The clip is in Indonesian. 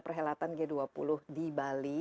perhelatan g dua puluh di bali